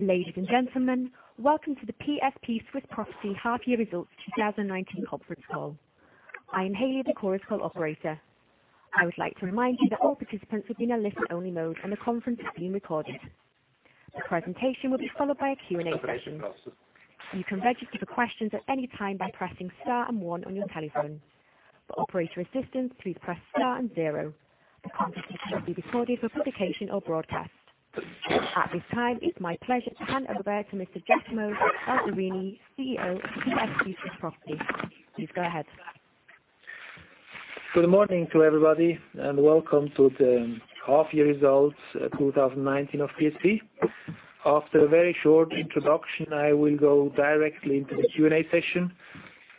Ladies and gentlemen, welcome to the PSP Swiss Property Half-Year Results 2019 conference call. I am Haley, the conference call operator. I would like to remind you that all participants have been in listen-only mode and the conference is being recorded. The presentation will be followed by a Q&A session. You can register for questions at any time by pressing star and one on your telephone. For operator assistance, please press star and zero. The conference is not be recorded for publication or broadcast. At this time, it's my pleasure to hand over to Mr. Giacomo Balzarini, CEO of PSP Swiss Property. Please go ahead. Good morning to everybody, and welcome to the half-year results 2019 of PSP. After a very short introduction, I will go directly into the Q&A session.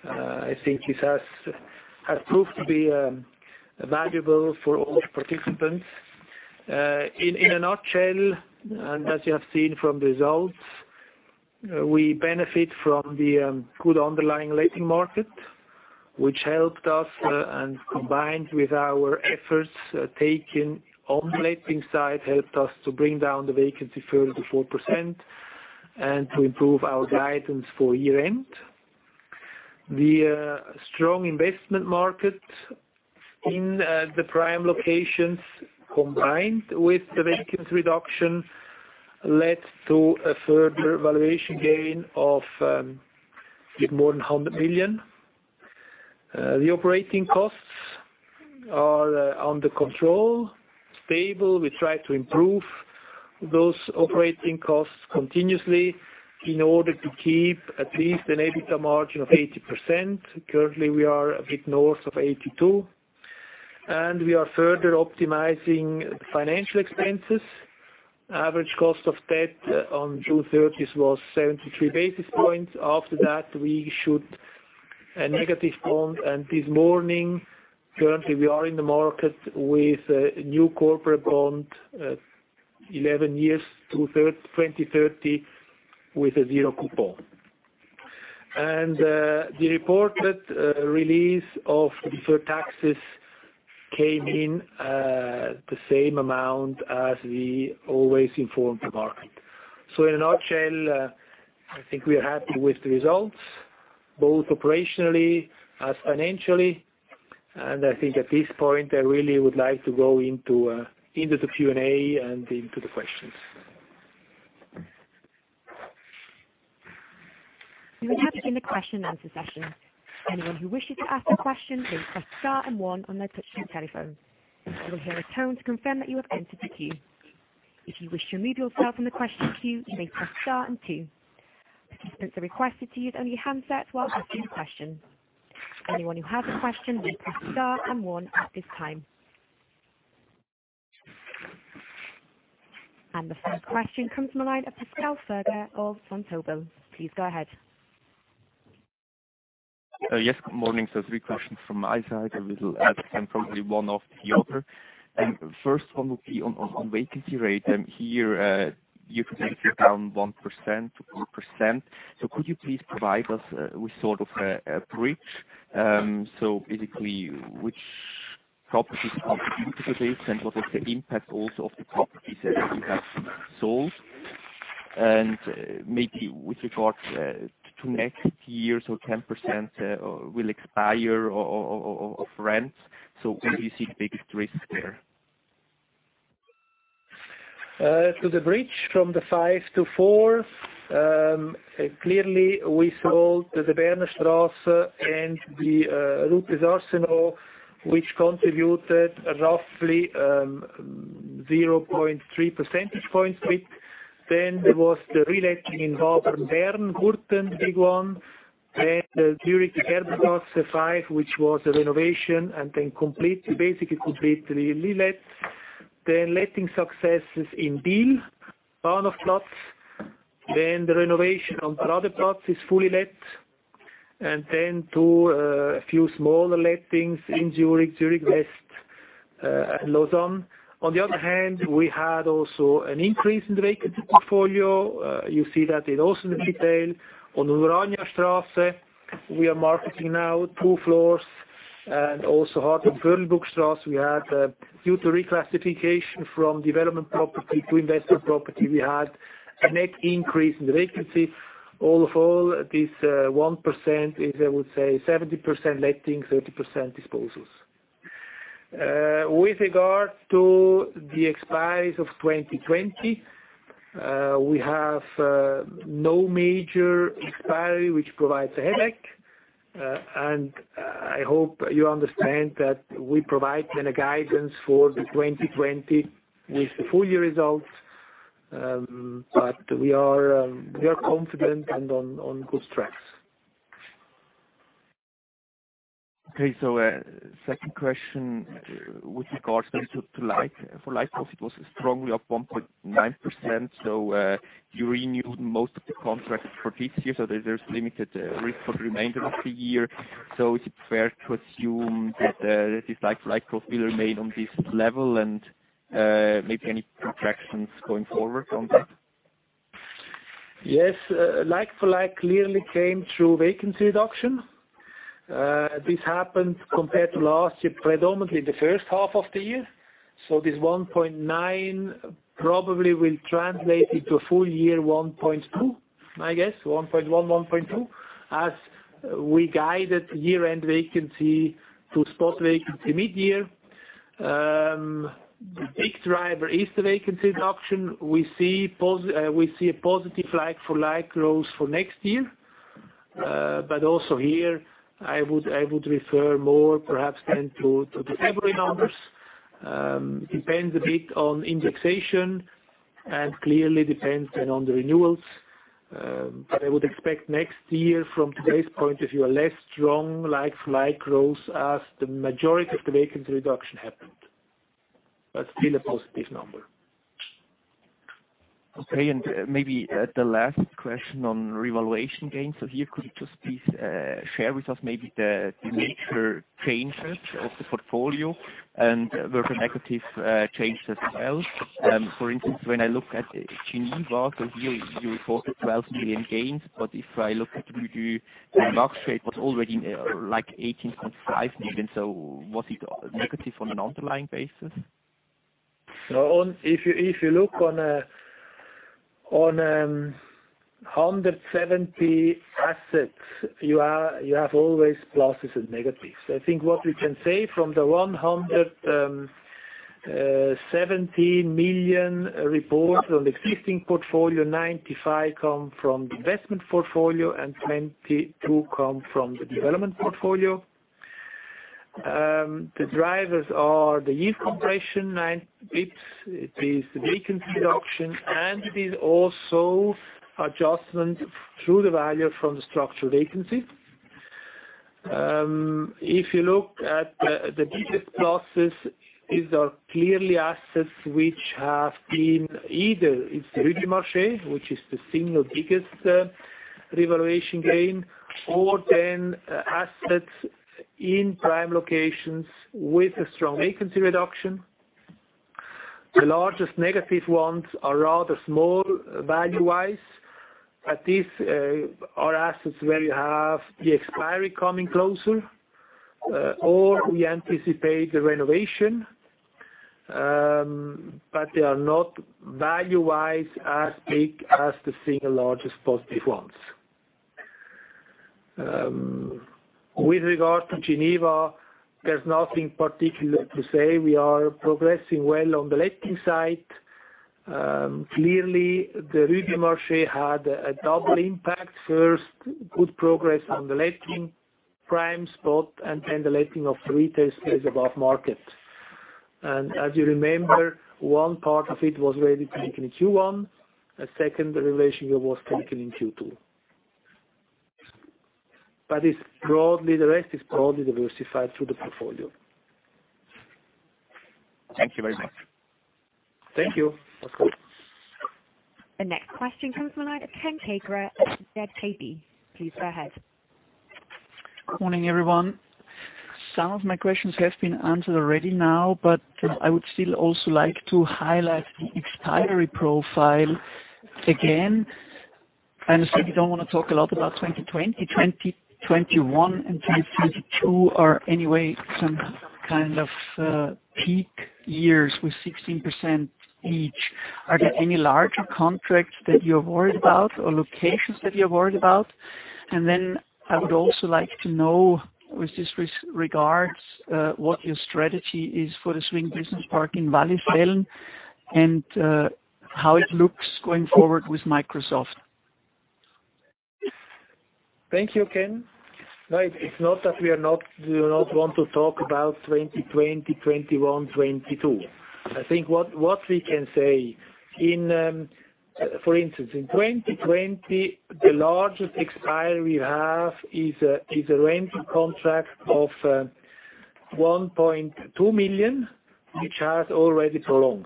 I think this has proved to be valuable for all participants. In a nutshell, as you have seen from the results, we benefit from the good underlying letting market, which helped us, and combined with our efforts taken on the letting side, helped us to bring down the vacancy further to 4% and to improve our guidance for year-end. The strong investment market in the prime locations, combined with the vacancy reduction, led to a further valuation gain of a bit more than 100 million. The operating costs are under control, stable. We try to improve those operating costs continuously in order to keep at least an EBITDA margin of 80%. Currently, we are a bit north of 82%. We are further optimizing financial expenses. Average cost of debt on June 30th was 73 basis points. After that, we issued a negative bond. This morning, currently we are in the market with a new corporate bond, 11 years to 2030, with a zero coupon. The reported release of deferred taxes came in the same amount as we always informed the market. In a nutshell, I think we are happy with the results, both operationally as financially. I think at this point, I really would like to go into the Q&A and into the questions. We will now begin the question and answer session. Anyone who wishes to ask a question may press star and one on their push-to-talk telephone. You will hear a tone to confirm that you have entered the queue. If you wish to remove yourself from the question queue, you may press star and two. Participants are requested to use only handset while asking the question. Anyone who has a question may press star and one at this time. The first question comes from the line of Pascal Furger of Vontobel. Please go ahead. Yes, good morning. Three questions from my side, a little help and probably one after the other. First one would be on vacancy rate. Here, you could take it down 1% to 4%. Could you please provide us with sort of a bridge? Basically, which properties contributed to this and what was the impact also of the properties that you have sold? Maybe with regards to next year, 10% will expire of rents. Where do you see the biggest risk there? To the bridge from the five to four. Clearly, we sold the Bernstrasse and the Rupiz Arsenal, which contributed roughly 0.3 percentage points to it. There was the reletting in Waisenhausplatz, Gurten, big one. Zurich Erbenstrasse 5, which was a renovation, and then basically completely relet. Letting successes in Biel, Bahnhofplatz. The renovation on Bärenplatz is fully let. To a few smaller lettings in Zurich West, and Lausanne. On the other hand, we had also an increase in the vacancy portfolio. You see that also in detail. On the Uraniastrasse, we are marketing now 2 floors and also Hardbrückstrasse. Due to reclassification from development property to investment property, we had a net increase in the vacancy. All in all, this 1% is, I would say, 70% letting, 30% disposals. With regard to the expiries of 2020, we have no major expiry which provides a headache. I hope you understand that we provide then a guidance for the 2020 with the full year results. We are confident and on good tracks. Second question with regards then to like-for-like. It was strongly up 1.9%. You renewed most of the contracts for this year, so there's limited risk for the remainder of the year. Is it fair to assume that this like-for-like will remain on this level and maybe any contractions going forward on that? Like-for-like clearly came through vacancy reduction. This happened compared to last year, predominantly the first half of the year. This 1.9 probably will translate into a full year 1.2, I guess 1.1.2, as we guided year-end vacancy to spot vacancy mid-year. Big driver is the vacancy reduction. We see a positive like-for-like growth for next year. Also here, I would refer more perhaps then to the February numbers. Depends a bit on indexation and clearly depends then on the renewals. I would expect next year, from today's point of view, a less strong like-for-like growth as the majority of the vacancy reduction happened. Still a positive number. Okay. Maybe the last question on revaluation gains. Here could you just please share with us maybe the major changes of the portfolio and were there negative changes as well? For instance, when I look at Geneva, here you report 12 million gains. If I look at Rue du Marché, it was already like 18.5 million. Was it negative on an underlying basis? If you look on 170 assets, you have always pluses and negatives. I think what we can say from the 170 million report on the existing portfolio, 95 come from the investment portfolio and 22 come from the development portfolio. The drivers are the yield compression, nine basis points. It is the vacancy reduction, and it is also adjustment through the value from the structured vacancy. If you look at the biggest pluses, these are clearly assets which have been either it's Rue du Marché, which is the single biggest revaluation gain, or then assets in prime locations with a strong vacancy reduction. The largest negative ones are rather small value-wise. These are assets where you have the expiry coming closer. We anticipate the renovation. They are not value-wise as big as the single largest positive ones. With regard to Geneva, there's nothing particular to say. We are progressing well on the letting side. Clearly, the Rue du Marché had a double impact. First, good progress on the letting prime spot and then the letting of retailers above market. As you remember, one part of it was ready to take in Q1. A second part was taken in Q2. The rest is broadly diversified through the portfolio. Thank you very much. Thank you. The next question comes from the line of Ken Koger at Deutsche Bank. Please go ahead. Morning, everyone. Some of my questions have been answered already now. I would still also like to highlight the expiry profile again. I understand you don't want to talk a lot about 2020. 2021 and 2022 are anyway some kind of peak years with 16% each. Are there any larger contracts that you're worried about or locations that you're worried about? I would also like to know with regards what your strategy is for the Swing Business Park in Wallisellen and how it looks going forward with Microsoft. Thank you, Ken. No, it's not that we do not want to talk about 2020, 2021, 2022. I think what we can say, for instance, in 2020, the largest expiry we have is a rental contract of 1.2 million, which has already prolonged.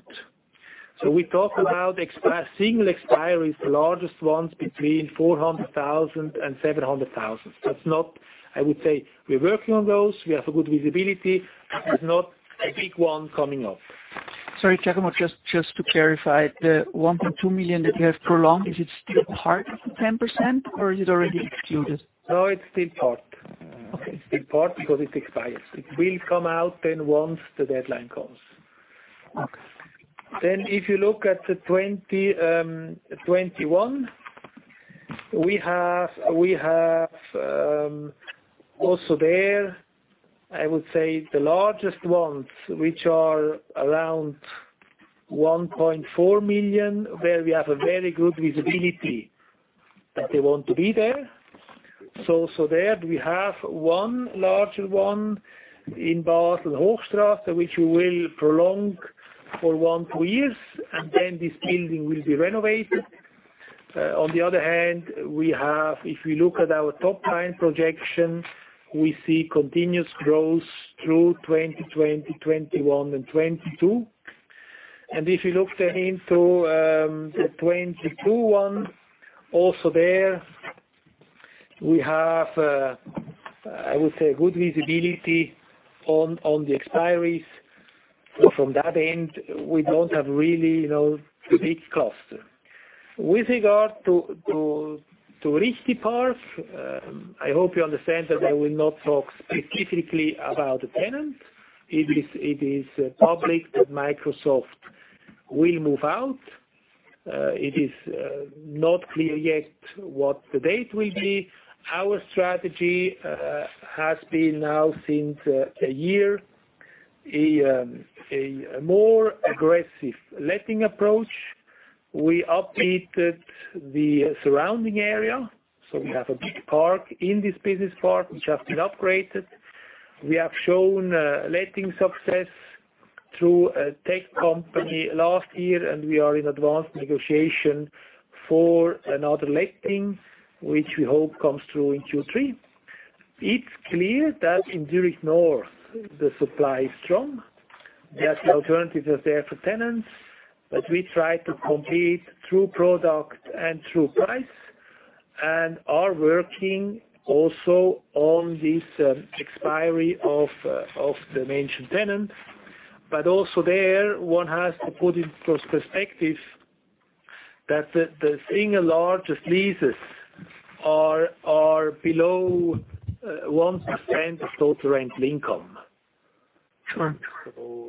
We talk about single expiries, the largest ones between 400,000-700,000. I would say we're working on those. We have a good visibility. There's not a big one coming up. Sorry, Giacomo, just to clarify, the 1.2 million that you have prolonged, is it still part of the 10%, or is it already excluded? No, it's still part. Okay. It is still part because it expires. It will come out then once the deadline comes. Okay. If you look at the 2021, we have also there, I would say, the largest ones, which are around 1.4 million, where we have a very good visibility that they want to be there. There we have one larger one in Basel, Hochstrasse, which we will prolong for one, two years, and then this building will be renovated. On the other hand, if we look at our top-line projection, we see continuous growth through 2020, 2021 and 2022. If you look then into the 2022 one, also there we have, I would say, good visibility on the expiries. From that end, we don't have really big cost. With regard to Richti Park, I hope you understand that I will not talk specifically about the tenant. It is public that Microsoft will move out. It is not clear yet what the date will be. Our strategy has been now, since a year, a more aggressive letting approach. We updated the surrounding area, so we have a big park in this business park, which has been upgraded. We have shown letting success through a tech company last year, and we are in advanced negotiation for another letting, which we hope comes through in Q3. It's clear that in Zurich North, the supply is strong, that alternatives are there for tenants. We try to compete through product and through price, and are working also on this expiry of the mentioned tenant. Also there, one has to put into perspective that the single largest leases are below 1% of total rental income. Sure.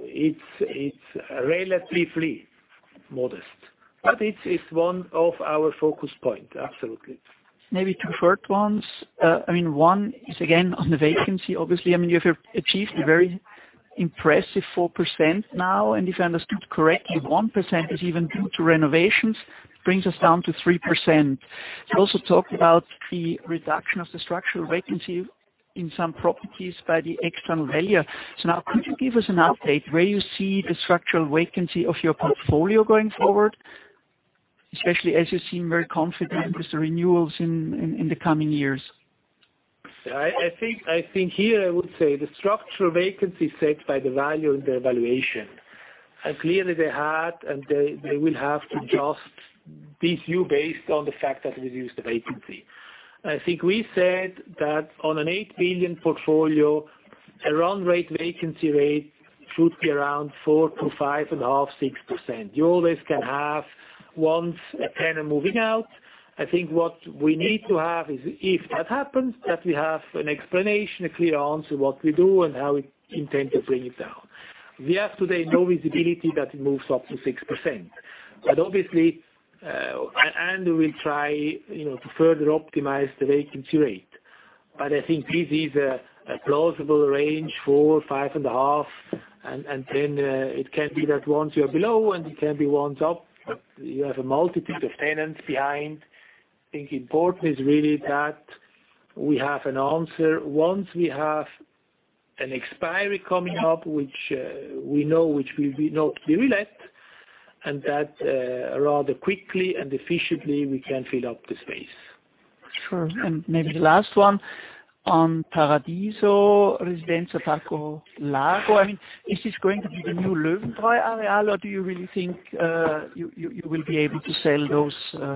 It's relatively modest. It is one of our focus point, absolutely. Maybe two short ones. One is again, on the vacancy, obviously. You have achieved a very impressive 4% now, and if I understood correctly, 1% is even due to renovations, brings us down to 3%. You also talked about the reduction of the structural vacancy in some properties by the external value. Now could you give us an update where you see the structural vacancy of your portfolio going forward, especially as you seem very confident with the renewals in the coming years? I think here, I would say the structural vacancy is set by the value and the evaluation. Clearly they had, and they will have to adjust DCF based on the fact that we reduced the vacancy. I think we said that on a 8 billion portfolio, a run rate vacancy rate should be around 4% to 5.5%, 6%. You always can have, once one tenant moving out. I think what we need to have is, if that happens, that we have an explanation, a clear answer what we do and how we intend to bring it down. We have today no visibility that it moves up to 6%. Obviously, Andrew will try to further optimize the vacancy rate. I think this is a plausible range, 4%, 5.5%, and then it can be that once you are below and it can be once up, you have a multitude of tenants behind. I think important is really that we have an answer. Once we have an expiry coming up, which we know will not be relet, and that rather quickly and efficiently we can fill up the space. Sure. Maybe the last one on Paradiso Residenza Parco Lago, is this going to be the new Löwenbräu Areal, or do you really think you will be able to sell those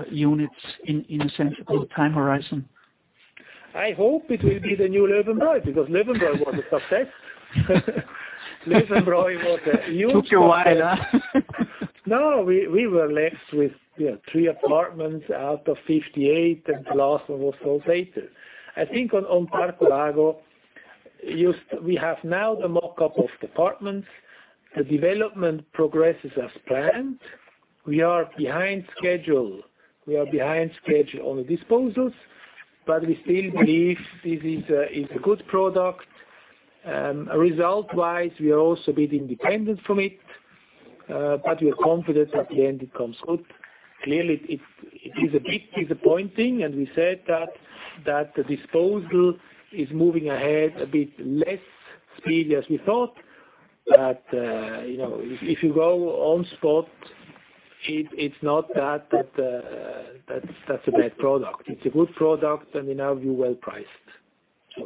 units in a sensible time horizon? I hope it will be the new Löwenbräu, because Löwenbräu was a success. Took a while. We were left with three apartments out of 58, and the last one was sold later. I think on Parco Lago, we have now the mock-up of the apartments. The development progresses as planned. We are behind schedule on the disposals, but we still believe this is a good product. Result-wise, we are also a bit independent from it, but we are confident at the end it comes good. Clearly, it is a bit disappointing, and we said that the disposal is moving ahead a bit less speedy as we thought. If you go on spot, it's not that that's a bad product. It's a good product, and we now view well-priced.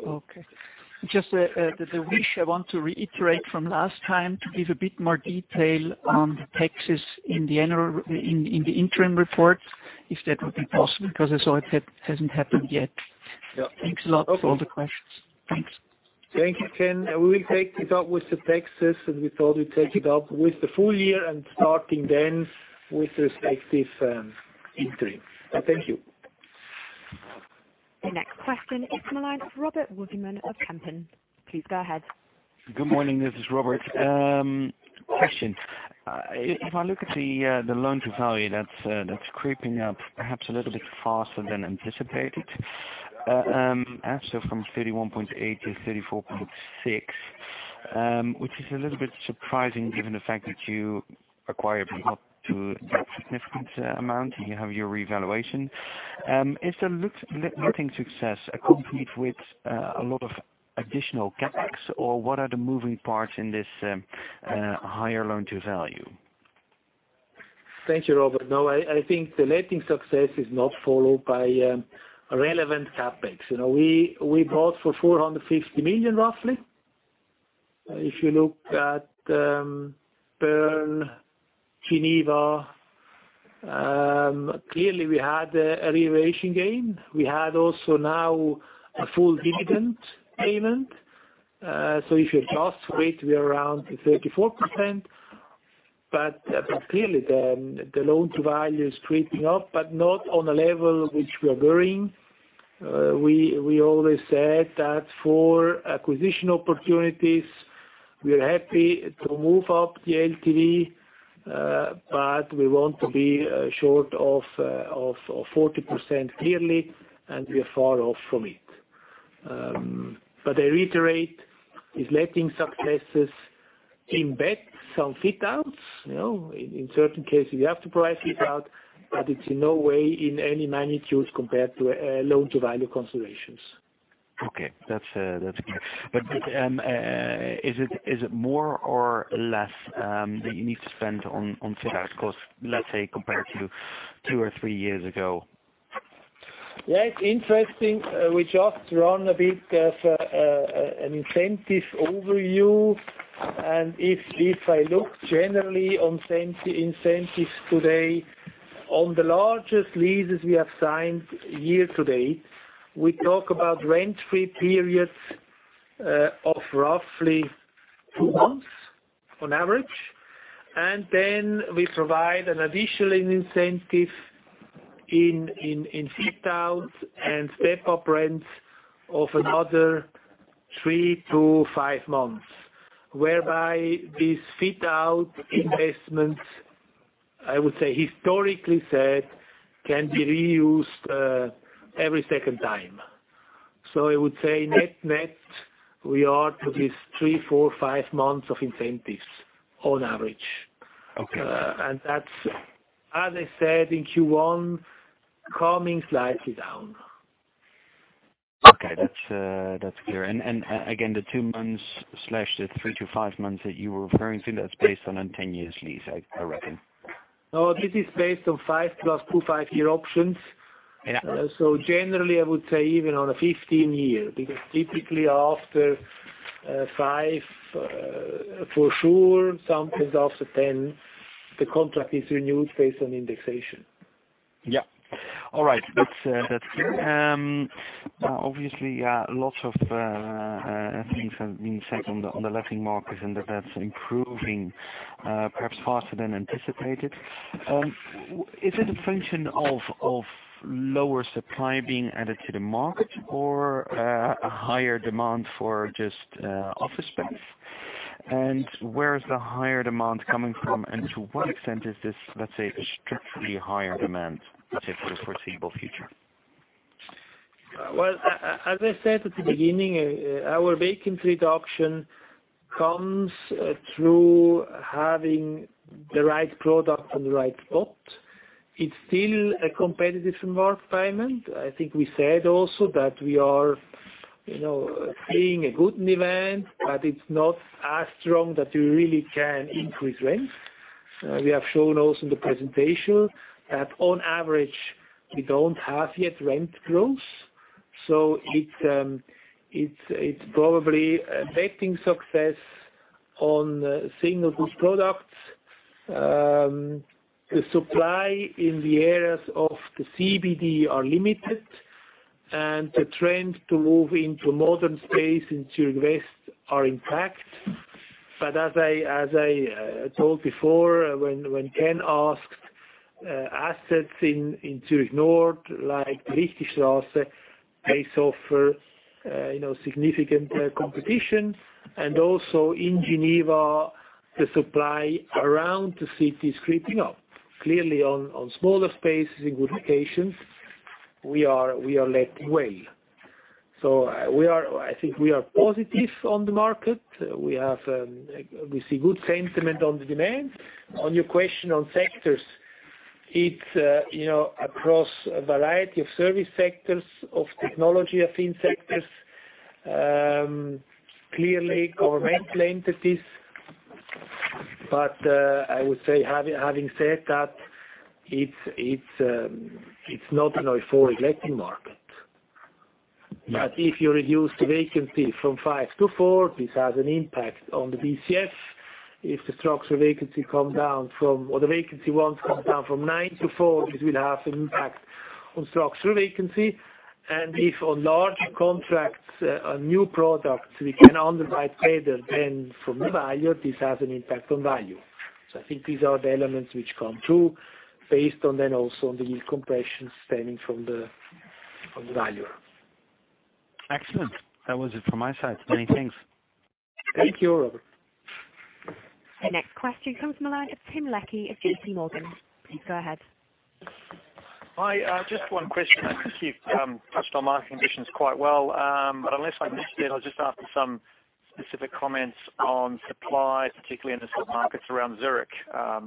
Okay. Just the wish I want to reiterate from last time to give a bit more detail on the taxes in the interim report, if that would be possible, because I saw it hasn't happened yet. Yeah. Thanks a lot for all the questions. Thanks. Thank you, Ken. We will take it up with the taxes, and we thought we'd take it up with the full year and starting then with respective interim. Thank you. The next question is the line for Robert Woudsma of Kempen. Please go ahead. Good morning. This is Robert. Question. If I look at the loan-to-value, that's creeping up perhaps a little bit faster than anticipated. From 31.8 to 34.6, which is a little bit surprising given the fact that you acquired not too significant amount. You have your revaluation. Is the letting success accompanied with a lot of additional CapEx, or what are the moving parts in this higher loan-to-value? Thank you, Robert. I think the letting success is not followed by relevant CapEx. We bought for 450 million, roughly. If you look at Bern, Geneva, clearly we had a revaluation gain. We had also now a full dividend payment. If you cross rate, we are around 34%. Clearly, the loan-to-value is creeping up, but not on a level which we are worrying. We always said that for acquisition opportunities, we are happy to move up the LTV, but we want to be short of 40% clearly, and we are far off from it. I reiterate, this letting successes embed some fit outs. In certain cases, you have to provide fit out, but it's in no way in any magnitudes compared to loan-to-value considerations. Okay. That's clear. Is it more or less that you need to spend on fit out costs, let's say, compared to two or three years ago? It's interesting. We just run a bit of an incentive overview, if I look generally on incentives today, on the largest leases we have signed year to date, we talk about rent-free periods of roughly two months on average. We provide an additional incentive in fit-outs and step-up rents of another three to five months. Whereby these fit-out investments, I would say historically said, can be reused every second time. I would say net-net, we are to this three, four, five months of incentives on average. Okay. That's, as I said, in Q1, coming slightly down. Okay, that's clear. Again, the two months/the three to five months that you were referring to, that's based on a 10-years lease, I reckon. No, this is based on five plus two five-year options. Yeah. Generally, I would say even on a 15 year, because typically after five for sure, sometimes after 10, the contract is renewed based on indexation. Yeah. All right. That's clear. Obviously, lots of things have been said on the letting markets and that's improving perhaps faster than anticipated. Is it a function of lower supply being added to the market or a higher demand for just office space? Where is the higher demand coming from? To what extent is this, let's say, a strictly higher demand for the foreseeable future? Well, as I said at the beginning, our vacancy reduction comes through having the right product on the right spot. It's still a competitive environment. I think we said also that we are seeing a good demand, it's not as strong that we really can increase rents. We have shown also in the presentation that on average, we don't have yet rent growth. It's probably letting success on seeing a good product. The supply in the areas of the CBD are limited, the trend to move into modern space in Zurich West are intact. As I told before, when Ken asked, assets in Zurich North, like Richtistrasse, may suffer significant competition. Also in Geneva, the supply around the city is creeping up. Clearly on smaller spaces in good locations, we are letting well. I think we are positive on the market. We see good sentiment on the demand. On your question on sectors, it's across a variety of service sectors, of technology-affined sectors, clearly government entities. I would say, having said that, it's not an overall letting market. Yeah. If you reduce the vacancy from five to four, this has an impact on the BCF. If the vacancy ones come down from nine to four, this will have an impact on structural vacancy. If on larger contracts, a new product we can underwrite better than from the value, this has an impact on value. I think these are the elements which come through based on then also on the yield compression stemming from the value. Excellent. That was it from my side. Many thanks. Thank you, Robert. The next question comes from the line of Tim Leckie of JPMorgan. Please go ahead. Hi. Just one question. I think you've touched on market conditions quite well. Unless I missed it, I'll just ask for some specific comments on supply, particularly in the submarkets around Zurich,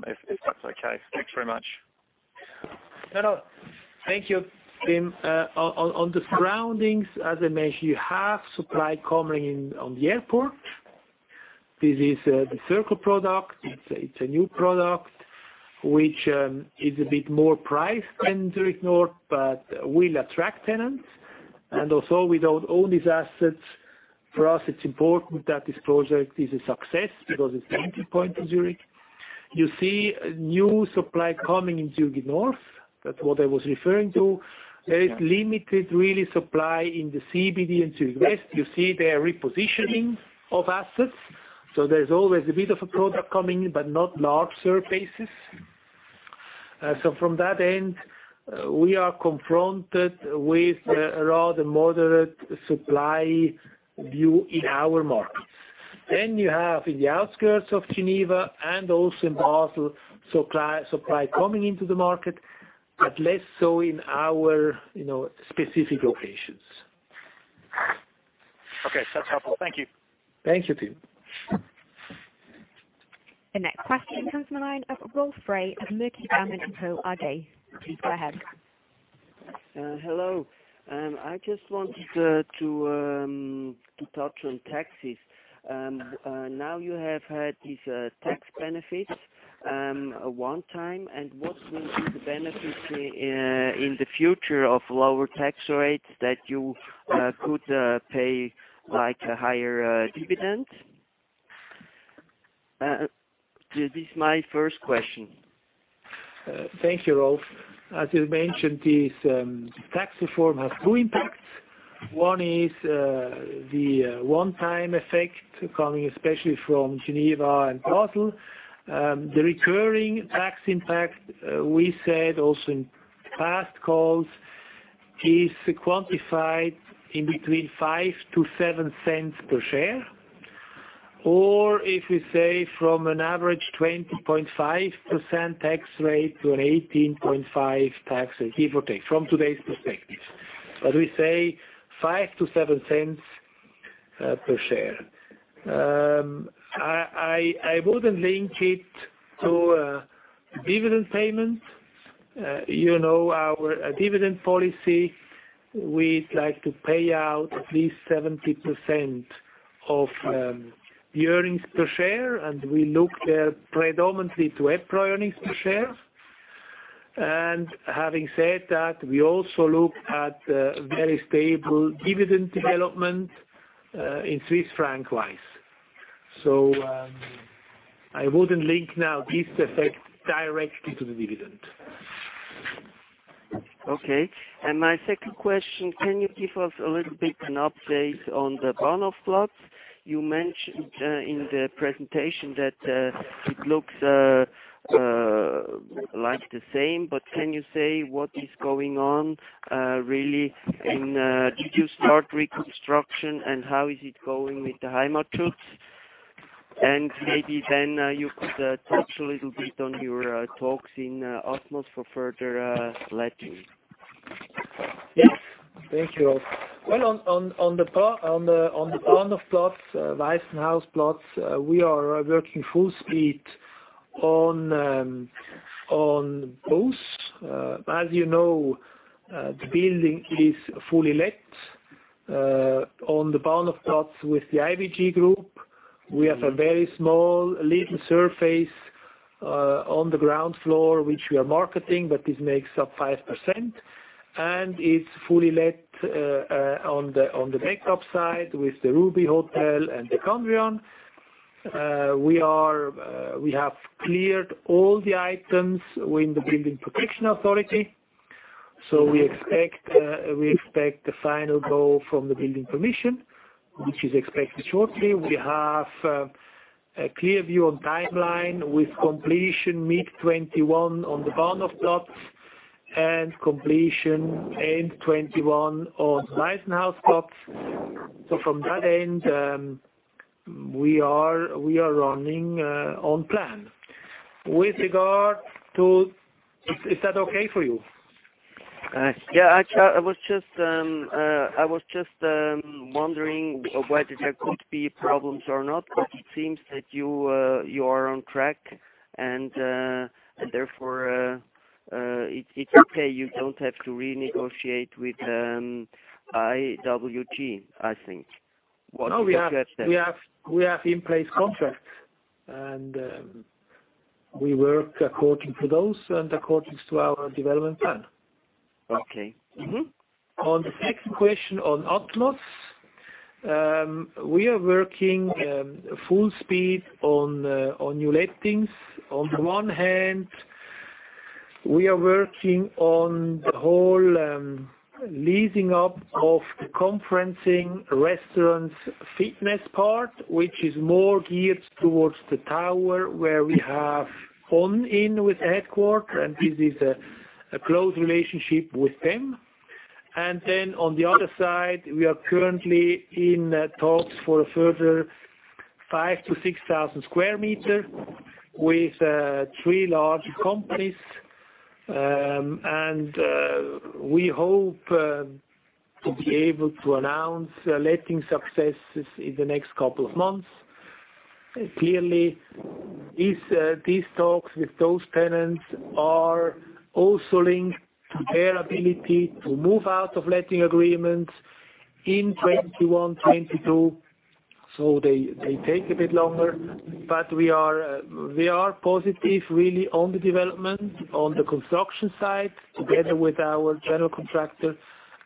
if that's okay. Thanks very much. No, no. Thank you, Tim. On the surroundings, as I mentioned, you have supply coming in on the airport. This is The Circle product. It's a new product. Which is a bit more priced than Zurich North, but will attract tenants. With our own assets, for us, it's important that this project is a success because it's the entry point to Zurich. You see new supply coming in Zurich North. That's what I was referring to. There is limited, really, supply in the CBD and Zurich West. You see there repositioning of assets. There's always a bit of a product coming in, but not large surfaces. From that end, we are confronted with a rather moderate supply view in our markets. You have in the outskirts of Geneva and also in Basel, supply coming into the market, but less so in our specific locations. Okay. That's helpful. Thank you. Thank you, Tim. The next question comes from the line of Rolf Frey of Mirabaud & Cie AG. Please go ahead. Hello. I just wanted to touch on taxes. You have had these tax benefits, one time, and what will be the benefits in the future of lower tax rates that you could pay a higher dividend? This is my first question. Thank you, Rolf. As you mentioned, this tax reform has two impacts. One is the one-time effect coming especially from Geneva and Basel. The recurring tax impact, we said also in past calls, is quantified in between 0.05-0.07 per share. If we say from an average 20.5% tax rate to an 18.5% tax give or take, from today's perspective. We say 0.05-0.07 per share. I wouldn't link it to a dividend payment. Our dividend policy, we'd like to pay out at least 70% of the earnings per share, and we look there predominantly to EPRA earnings per share. Having said that, we also look at a very stable dividend development in Swiss franc-wise. I wouldn't link now this effect directly to the dividend. Okay. My second question, can you give us a little bit an update on the Bahnhofplatz? You mentioned in the presentation that it looks like the same. Can you say what is going on, really, in Did you start reconstruction, and how is it going with the Heimatschutz? Maybe then you could touch a little bit on your talks in Atmos for further lettings. Yes. Thank you, Rolf. On the Bahnhofplatz, Waisenhausplatz, we are working full speed on both. As you know, the building is fully let. On the Bahnhofplatz with the IWG, we have a very small, little surface on the ground floor, which we are marketing, but this makes up 5%. It's fully let on the makeup side with the Ruby Hotel and the Cameron. We have cleared all the items with the building protection authority. We expect the final go from the building permission, which is expected shortly. We have a clear view on timeline with completion mid 2021 on the Bahnhofplatz and completion end 2021 on Waisenhausplatz. From that end, we are running on plan. Is that okay for you? I was just wondering whether there could be problems or not, but it seems that you are on track, and therefore, it's okay. You don't have to renegotiate with IWG, I think. What you discussed then. No, we have in-place contracts, and we work according to those and according to our development plan. Okay. Mm-hmm. On the second question on Atmos, we are working full speed on new lettings. On the one hand, we are working on the whole leasing up of the conferencing, restaurant, fitness part, which is more geared towards the tower where we have on in with Headquarter, and this is a close relationship with them. On the other side, we are currently in talks for a further 5,000 to 6,000 sq m with three large companies. We hope to be able to announce letting successes in the next couple of months. Clearly, these talks with those tenants are also linked to their ability to move out of letting agreements in 2021, 2022. They take a bit longer. We are positive, really, on the development, on the construction side, together with our general contractor,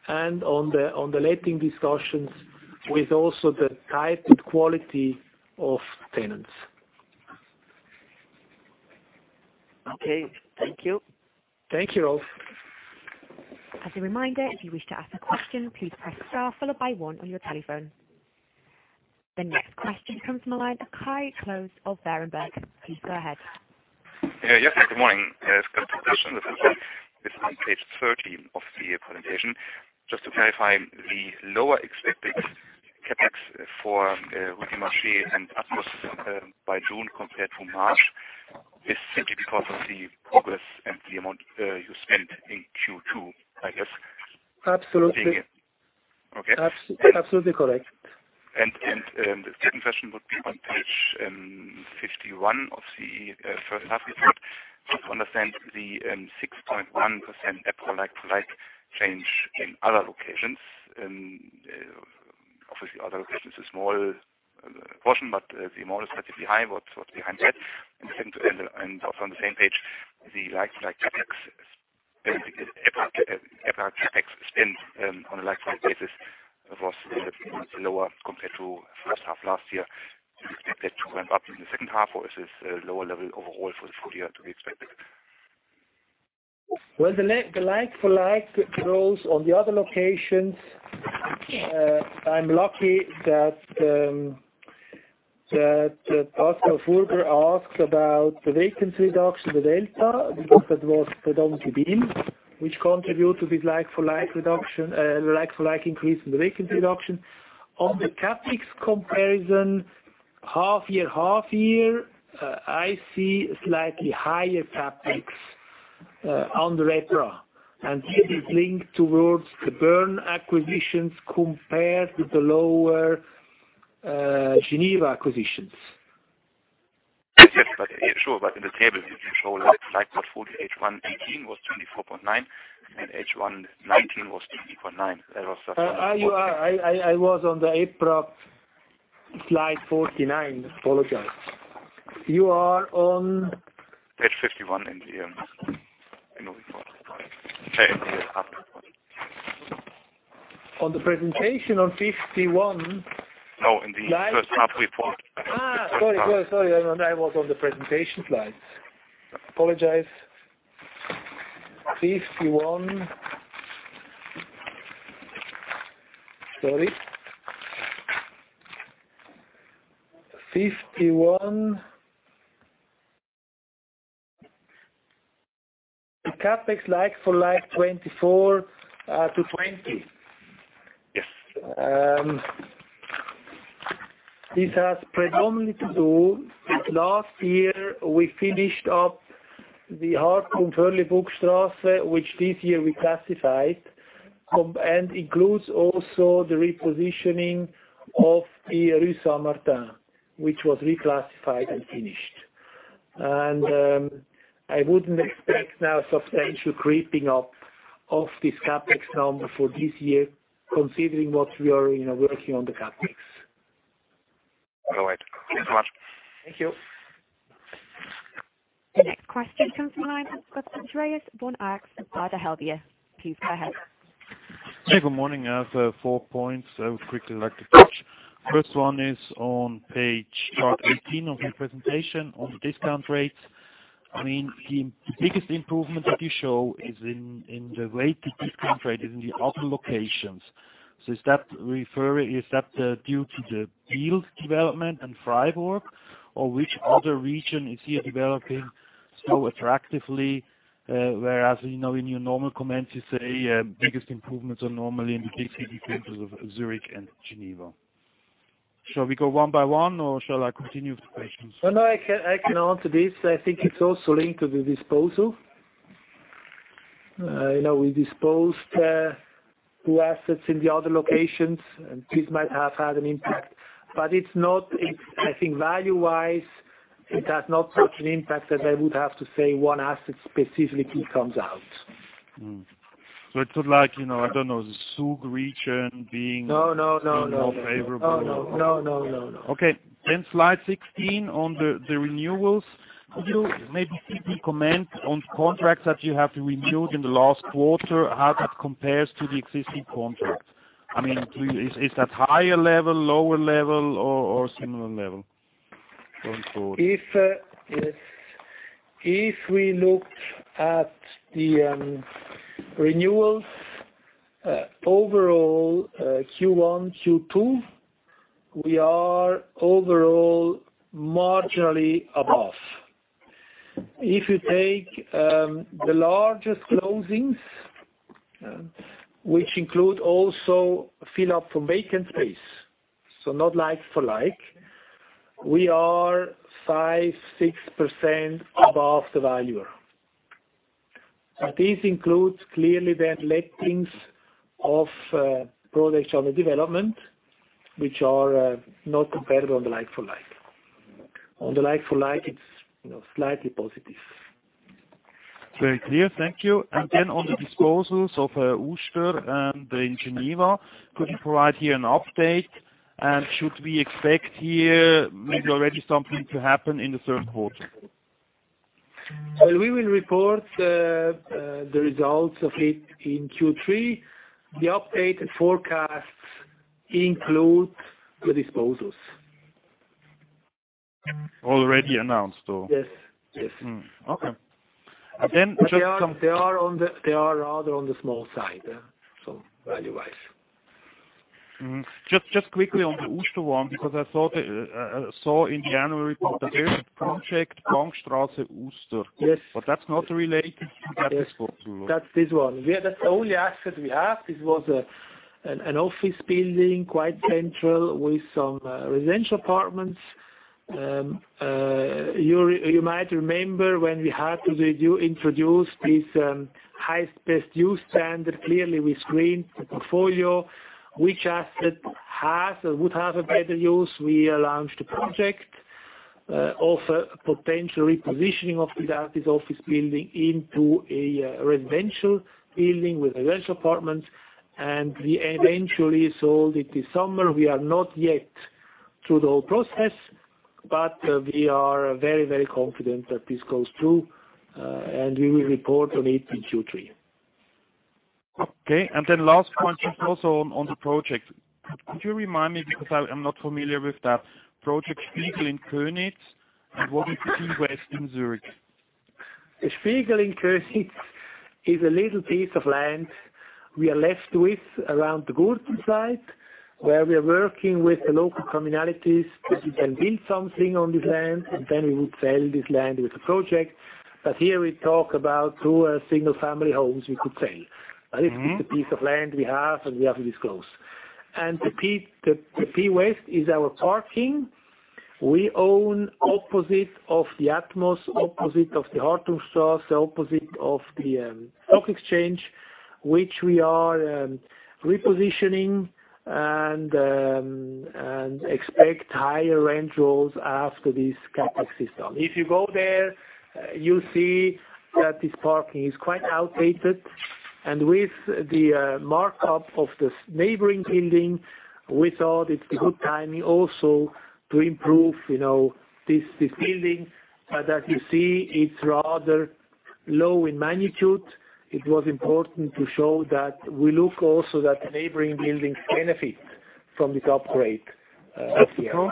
and on the letting discussions with also the type and quality of tenants. Okay. Thank you. Thank you, Rolf. As a reminder, if you wish to ask a question, please press star followed by one on your telephone. The next question comes from the line of Kai Klose of Berenberg. Please go ahead. Good morning. Just a quick question. This is on page 13 of the presentation. Just to clarify, the lower expected CapEx for Rue du Marché and Atmos by June compared to March is simply because of the progress and the amount you spent in Q2, I guess? Absolutely. Okay. Absolutely correct. The second question would be on page 51 of the first half report. Just to understand the 6.1% like-for-like change in other locations. Obviously, other locations is a small portion, but the amount is relatively high. What's behind that? Also on the same page, the like-for-like CapEx spend on a like-for-like basis was a bit lower compared to first half last year. Do you expect that to ramp up in the second half, or is this a lower level overall for the full year to be expected? The like-for-like growth on the other locations, I am lucky that Pascal Furger asked about the vacancy reduction, the delta, because that was predominantly Biel, which contributed to this like-for-like increase in the vacancy reduction. On the CapEx comparison, half year, half year, I see slightly higher CapEx on the retro, and this is linked towards the Bern acquisitions compared to the lower Geneva acquisitions. Yes. Sure. In the table, you show like-for-like for H1 2018 was 24.9%, and H1 2019 was 20.9%. I was on the April slide 49. Apologize. You are on? Page 51 in the annual report. In the half report. On the presentation on 51? No, in the first half report. Sorry. I was on the presentation slides. Apologize. 51. Sorry. 51. The CapEx like-for-like 24 to 20. Yes. This has predominantly to do with last year, we finished up the Hard- und Förrlibuckstrasse, which this year we classified, and includes also the repositioning of the Rue Saint Martin, which was reclassified and finished. I wouldn't expect now substantial creeping up of this CapEx number for this year, considering what we are working on the CapEx. All right. Thanks so much. Thank you. The next question comes from the line of Andreas von Arx of Vontobel. Please go ahead. Hey, good morning. I have four points I would quickly like to touch. First one is on chart 18 of your presentation on the discount rates. The biggest improvement that you show is in the weighted discount rate is in the other locations. Is that due to the Biel development and Fribourg? Which other region is here developing so attractively? Whereas, in your normal comments, you say biggest improvements are normally in the big city centers of Zurich and Geneva. Shall we go one by one, or shall I continue with the questions? Oh, no. I can answer this. I think it is also linked to the disposal. We disposed two assets in the other locations, and this might have had an impact. I think value-wise, it has not such an impact that I would have to say one asset specifically comes out. It's like, I don't know, the Zug region being. No. More favorable. No. Okay. Slide 16 on the renewals. Maybe a quick comment on contracts that you have renewed in the last quarter, how that compares to the existing contracts. Is that higher level, lower level, or similar level going forward? If we look at the renewals, overall Q1, Q2, we are overall marginally above. If you take the largest closings, which include also fill-up for vacant space, so not like-for-like, we are 5%, 6% above the valuer. But this includes clearly the lettings of projects under development, which are not comparable on the like-for-like. On the like-for-like, it's slightly positive. Very clear. Thank you. On the disposals of Uster and in Geneva, could you provide here an update? Should we expect here maybe already something to happen in the third quarter? Well, we will report the results of it in Q3. The updated forecasts include the disposals. Already announced, though? Yes. Okay. Then just some- They are rather on the small side, so value-wise. Just quickly on the Uster one, because I saw in the January report the project, Langstrasse, Uster. Yes. That's not related to that disposal. That's this one. That's the only asset we have. This was an office building, quite central, with some residential apartments. You might remember when we had to introduce this highest and best use standard. Clearly, we screened the portfolio, which asset has or would have a better use. We launched a project, offer potential repositioning of that, this office building, into a residential building with residential apartments. We eventually sold it this summer. We are not yet through the whole process. We are very confident that this goes through, and we will report on it in Q3. Then last one, just also on the project. Could you remind me, because I am not familiar with that project, Spiegel in Köniz, and what is the P West in Zurich? Spiegel in Köniz is a little piece of land we are left with around the Gurten site, where we are working with the local municipalities that we can build something on this land, and then we would sell this land with the project. Here we talk about two single-family homes we could sell. It's a piece of land we have, and we have to disclose. The P West is our parking. We own opposite of the Atmos, opposite of the Artus, the opposite of the stock exchange, which we are repositioning, and expect higher rentals after this CapEx is done. If you go there, you see that this parking is quite outdated. With the markup of this neighboring building, we thought it's a good timing also to improve this building. As you see, it's rather low in magnitude. It was important to show that we look also that neighboring buildings benefit from this upgrade here.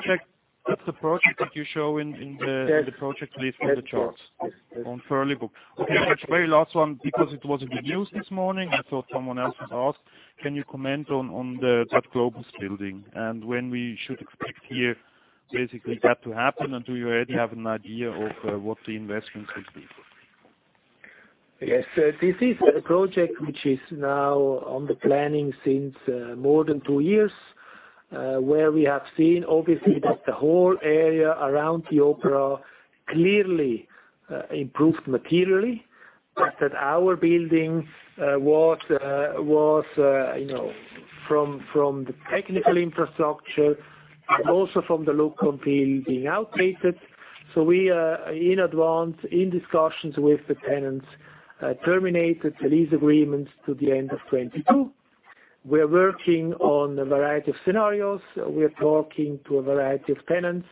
That's the project that you show in the project list for the charts. Yes. On Förrlibuckstrasse. Okay, very last one, because it was in the news this morning. I thought someone else would ask. Can you comment on that Globus building, and when we should expect here basically that to happen, and do you already have an idea of what the investment will be? Yes. This is a project which is now on the planning since more than two years, where we have seen, obviously, that the whole area around the Opera clearly improved materially. That our building, from the technical infrastructure and also from the look and feel, being outdated. We are, in advance in discussions with the tenants, terminated the lease agreements to the end of 2022. We're working on a variety of scenarios. We're talking to a variety of tenants.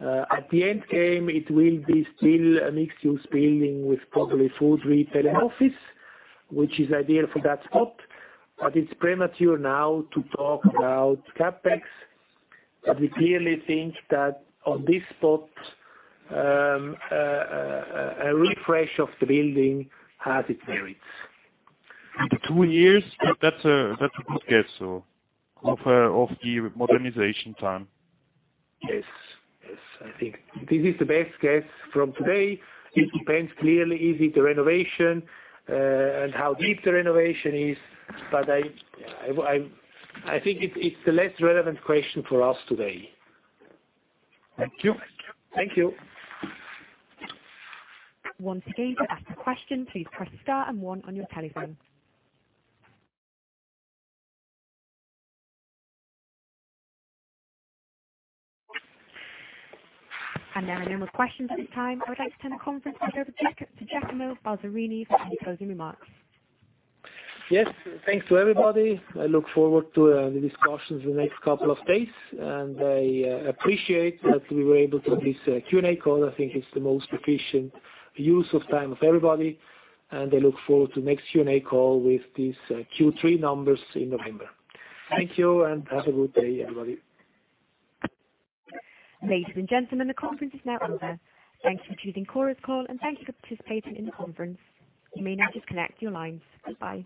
At the end game, it will be still a mixed-use building with probably food, retail, and office, which is ideal for that spot. It's premature now to talk about CapEx. We clearly think that on this spot, a refresh of the building has its merits. Two years? That's a good guess, so, of the modernization time. Yes. I think this is the best guess from today. It depends clearly, is it a renovation? How deep the renovation is. I think it's a less relevant question for us today. Thank you. Thank you. Once again, to ask a question, please press star and one on your telephone. There are no more questions at this time. I would like to turn the conference back over to Giacomo Balzarini for any closing remarks. Thanks to everybody. I look forward to the discussions the next couple of days. I appreciate that we were able to have this Q&A call. I think it is the most efficient use of time of everybody. I look forward to next Q&A call with these Q3 numbers in November. Thank you. Thank you, and have a good day, everybody. Ladies and gentlemen, the conference is now over. Thank you for choosing Chorus Call, and thank you for participating in the conference. You may now disconnect your lines. Goodbye.